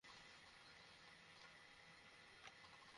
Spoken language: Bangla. বিদ্যালয় মাঠটি কানায় কানায় পূর্ণ হয়ে আশপাশের সড়কেও লোকজন অবস্থান নেয়।